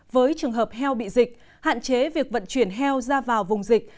với trường hợp heo bị dịch hạn chế việc vận chuyển heo ra vào vùng dịch